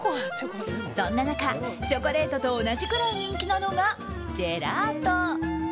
そんな中、チョコレートと同じぐらい人気なのがジェラート。